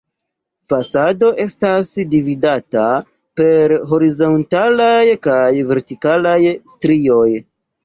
Fasado estas dividata per horizontalaj kaj vertikalaj strioj.